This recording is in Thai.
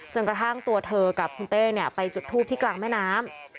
กระทั่งตัวเธอกับคุณเต้ไปจุดทูปที่กลางแม่น้ำ